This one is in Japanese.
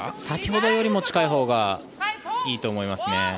先ほどよりも近いほうがいいと思いますね。